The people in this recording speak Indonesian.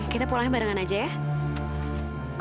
kita pulangnya barengan aja ya